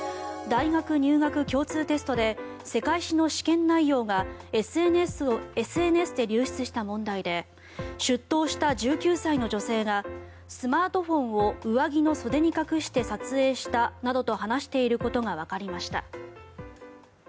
大学入学共通テストで世界史の試験内容がＳＮＳで流出した問題で出頭した１９歳の女性がスマートフォンを上着の袖に隠して撮影したなどと話していることがわかりました。